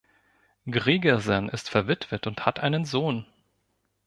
Gregersen ist verwitwet und hat einen Sohn.